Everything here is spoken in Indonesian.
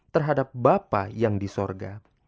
terhadap bapak yang di surga